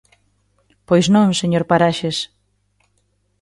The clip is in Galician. Pois non, señor Paraxes.